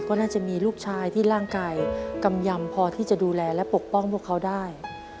ก็น่าจะมีลูกชายที่ร่างกายกำยำพอที่จะดูแลและปกป้องพวกเขาได้